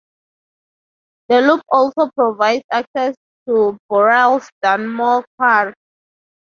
The loop also provides access to Boral's Dunmore Quarry.